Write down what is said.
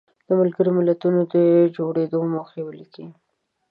د ملګرو ملتونو د جوړېدو موخې ولیکئ.